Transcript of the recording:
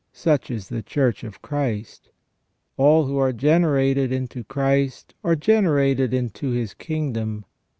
Such is the Church of Christ. All who are generated into Christ are generated into His king dom.